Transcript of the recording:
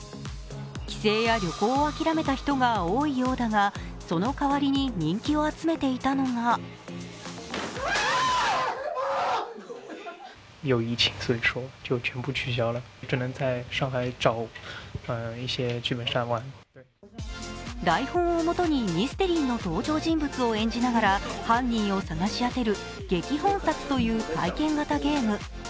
帰省や旅行を諦めた人が多いようだが、そのかわりに人気を集めていたのが台本をもとにミステリーの登場人物を演じながら犯人を捜し当てる劇本殺という体験型ゲーム。